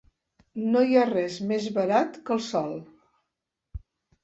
No hi ha res més barat que el sol.